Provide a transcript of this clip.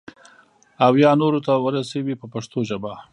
او یا نورو ته ورسوي په پښتو ژبه.